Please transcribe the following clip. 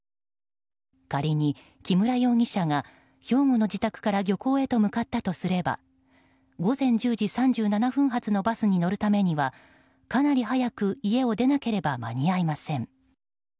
仮に木村容疑者が兵庫の自宅から漁港へと向かったとすれば午前１０時３７分発のバスに乗るためにはかなり早く家を出なければ間に合いません。